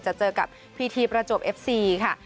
จะเจอกับพีทีประจวบเอฟซีค่ะ